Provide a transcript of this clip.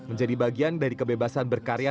menjadi bagian dari kebebasan berkarya